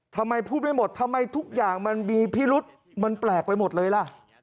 ทำไมพูดไม่หมดทำไมทุกอย่างมันมีพิรุษมันแปลกไปหมดเลยล่ะ